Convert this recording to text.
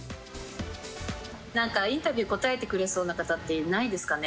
インタビュー答えてくれそうな方って、いないですかね？